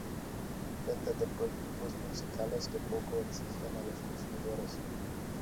venta de productos musicales que poco exigen a los consumidores